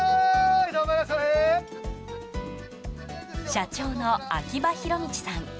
社長の秋葉弘道さん。